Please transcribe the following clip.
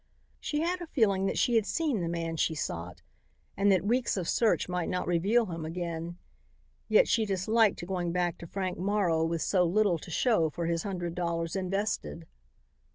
She had a feeling that she had seen the man she sought and that weeks of search might not reveal him again; yet she disliked going back to Frank Morrow with so little to show for his hundred dollars invested.